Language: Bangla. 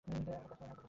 আমি খুব ব্যস্ত মানুষ।